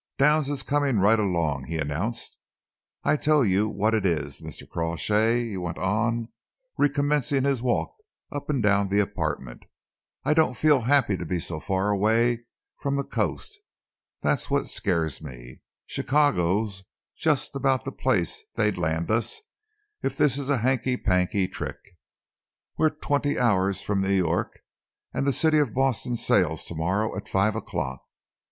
"Downs is coming right along," he announced. "I tell you what it is, Mr. Crawshay," he went on, recommencing his walk up and down the apartment, "I don't feel happy to be so far away from the coast. That's what scares me. Chicago's just about the place they'd land us, if this is a hanky panky trick. We're twenty hours from New York, and the City of Boston sails to morrow at five o'clock."